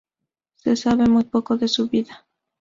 Se sabe muy poco de su vida.